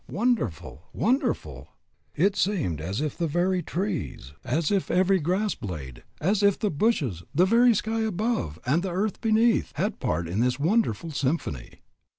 Wonderful! wonderful! It seemed as if the very trees, as if every grass blade, as if the bushes, the very sky above, and the earth beneath, had part in this wonderful symphony.